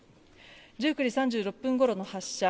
１５時３６分ごろの発射。